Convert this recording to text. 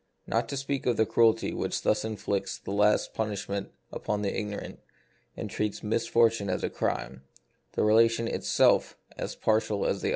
Not to speak of the cruelty which thus inflicts the last punish ment upon the ignorant, and treats misfortune as a crime, the relation is itself as partial as the others.